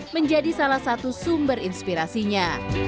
menjadi salah satu sumber inspirasinya